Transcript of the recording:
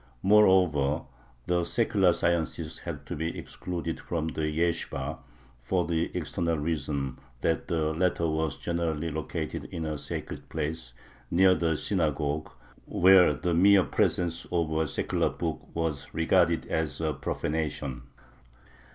Moreover, the secular sciences had to be excluded from the yeshibah, for the external reason that the latter was generally located in a sacred place, near the synagogue, where the mere presence of a secular book was regarded as a profanation.